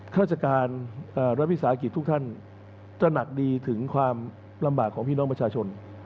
เธอจารย์การระมัดพิสากิจทุกท่านจะหนักดีถึงความลำบากของพี่น้องประชาชน